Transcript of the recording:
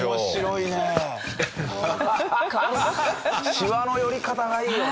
シワの寄り方がいいよね。